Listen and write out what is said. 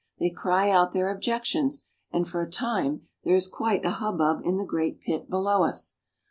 They cry out; their objec tions, and for a time there is quite a hubbub in the great pit below us.